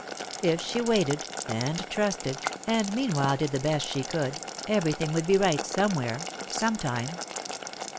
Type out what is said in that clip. If she waited, and trusted, and meanwhile did the best she could, everything would be right somewhere, sometime.